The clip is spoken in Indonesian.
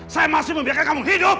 saya masih membiarkan kamu hidup